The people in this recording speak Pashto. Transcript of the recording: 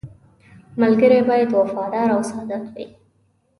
• ملګری باید وفادار او صادق وي.